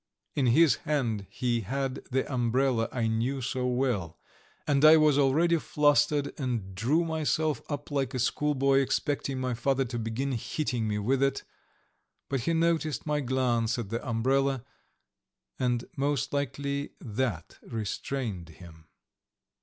In his hand he had the umbrella I knew so well, and I was already flustered and drew myself up like a schoolboy, expecting my father to begin hitting me with it, but he noticed my glance at the umbrella and most likely that restrained him.